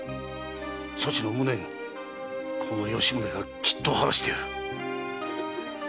そちの無念この吉宗がきっと晴らしてやる。